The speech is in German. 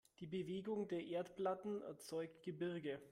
Die Bewegung der Erdplatten erzeugt Gebirge.